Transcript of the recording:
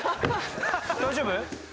大丈夫か？